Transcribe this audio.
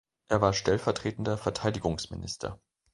Er war Stellvertretender Verteidigungsminister.